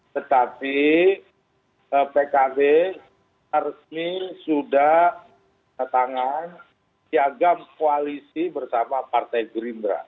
tetapi pkb resmi sudah datang siagam koalisi bersama partai gerindra